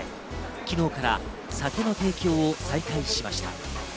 昨日から酒の提供を再開しました。